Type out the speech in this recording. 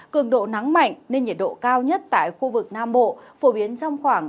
cường độ nắng mạnh nên nhiệt độ cao nhất tại khu vực nam bộ phổ biến trong khoảng